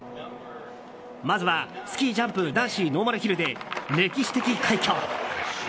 まずはスキージャンプ男子ノーマルヒルで歴史的快挙。